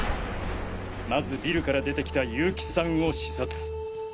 まずビルから出てきた結城さんを刺殺。